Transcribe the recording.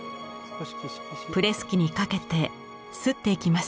プレス機にかけて刷っていきます。